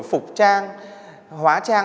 phục trang hóa trang